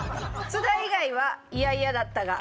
「津田以外はいやいやだったが」。